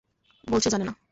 বলছে জানে না।